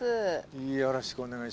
よろしくお願いします。